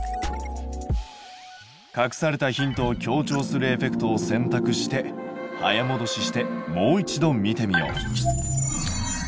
隠されたヒントを強調するエフェクトを選択して早もどししてもう一度見てみよう。